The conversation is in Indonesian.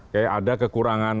kayak ada kekurangan